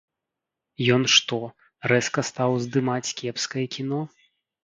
Ён што, рэзка стаў здымаць кепскае кіно?